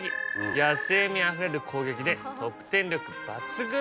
野性味あふれる攻撃で得点力抜群です。